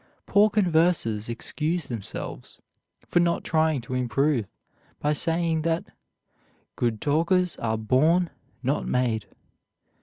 Poor conversers excuse themselves for not trying to improve by saying that "good talkers are born, not made."